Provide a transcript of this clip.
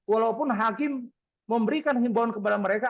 walaupun hakim memberikan himbauan kepada mereka